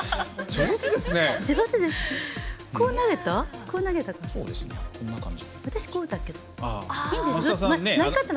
こう投げたの？